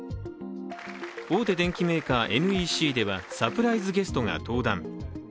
大手電機メーカー・ＮＥＣではサプライズゲストが登壇。